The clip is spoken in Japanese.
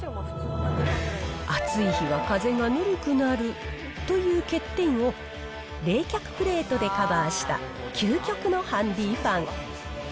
暑い日は風がぬるくなるという欠点を、冷却プレートでカバーした、究極のハンディファン。